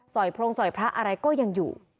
พรงสอยพระอะไรก็ยังอยู่